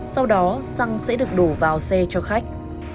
sau đó xăng sẽ được đổ vào xe cho khách